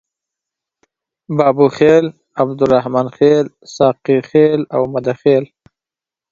بابوخیل، عبدالرحمن خیل، ساقي خیل او مده خیل.